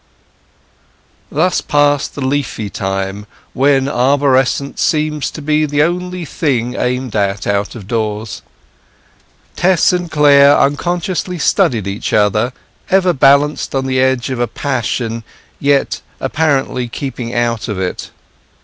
Thus passed the leafy time when arborescence seems to be the one thing aimed at out of doors. Tess and Clare unconsciously studied each other, ever balanced on the edge of a passion, yet apparently keeping out of it.